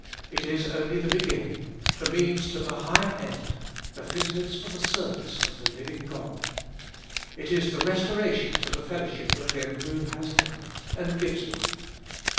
It is only the beginning, the means to a higher end — the fitness for the service of the living God. It is the restoration to the fellowship of Him who has life and gives life.